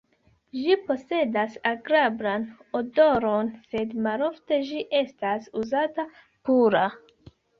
Ĝi posedas agrablan odoron, sed malofte ĝi estas uzata pura.